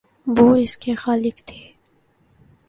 وہ اس کے خالق تھے۔